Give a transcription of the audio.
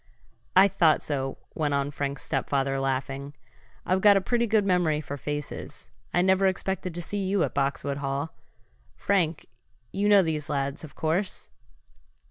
"I thought so," went on Frank's stepfather, laughing. "I've got a pretty good memory for faces. I never expected to see you at Boxwood Hall. Frank, you know these lads, of course?"